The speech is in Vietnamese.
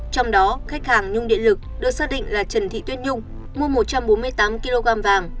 trong đó khách hàng nhung điện lực được xác định là trần thị tuyết nhung mua một trăm bốn mươi tám kg vàng